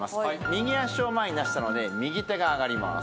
右足を前に出したので右手が上がります。